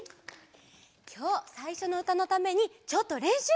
きょうさいしょのうたのためにちょっとれんしゅう！